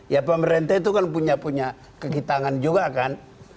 ya pemerintah itu kan punya punya kekitangan juga kan